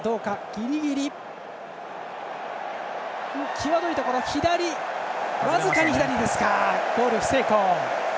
際どいところ、僅かに左ゴール不成功。